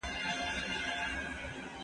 ما له ډېر وخت راهیسې د دې ورځې انتظار کاوه.